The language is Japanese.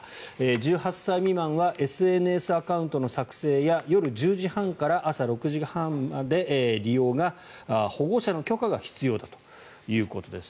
１８歳未満はＳＮＳアカウントの作成や夜１０時半から朝６時半まで利用が保護者の許可が必要だということです。